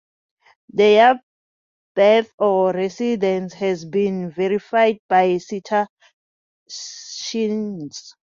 Their birth or residence has been verified by citations.